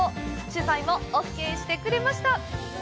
取材もオーケーしてくれました。